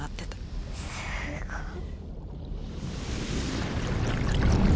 すごい。